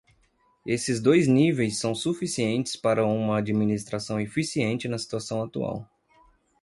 Esses dois níveis são suficientes para uma administração eficiente na situação atual.